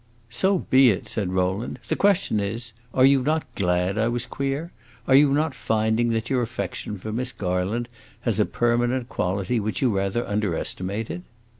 "So be it!" said Rowland. "The question is, Are you not glad I was queer? Are you not finding that your affection for Miss Garland has a permanent quality which you rather underestimated?"